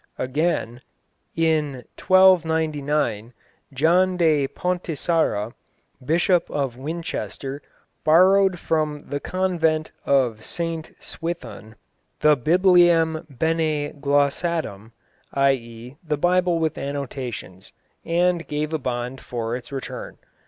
Again, in 1299, John de Pontissara, Bishop of Winchester, borrowed from the convent of St Swithun the Bibliam bene glossatum, i.e. the Bible with annotations, and gave a bond for its return.